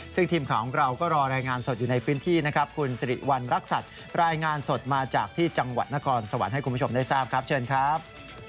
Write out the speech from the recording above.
ซึ่งทีมข่าวของเราก็รอรายงานสดอยู่ในพื้นที่นะครับคุณสิริวัณรักษัตริย์รายงานสดมาจากที่จังหวัดนครสวรรค์ให้คุณผู้ชมได้ทราบครับเชิญครับ